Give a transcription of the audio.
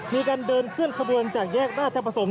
มีการเดินเคลื่อนขบวนจากแยกราชประสงค์